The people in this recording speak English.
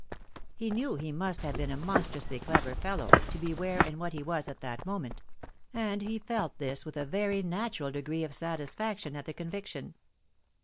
He knew he must have been a monstrously clever fellow, to be where and what he was at that moment ; and he felt this with a very natural degree of satisfaction at the conviction.